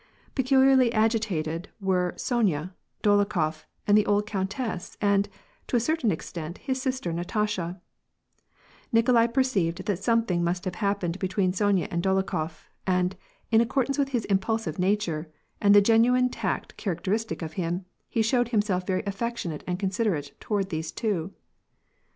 Pecul iarly agitated were Sonya, Dolokhof, and the old countess, and, to a certain extent, his sister Natasha, Nikolai perceived that something must have happened between Sonya and Dolokhof, and, in accordance with his impulsive nature, and the genuine tact characteristic of him, he showed himself very affectionate and considerate toward these two.